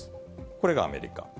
これがアメリカ。